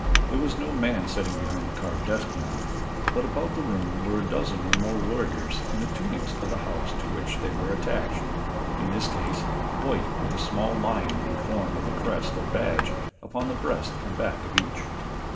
There was no man sitting behind the carved desk now, but about the room were a dozen or more warriors in the tunics of the house to which they were attached, in this case white with a small lion in the form of a crest or badge upon the breast and back of each.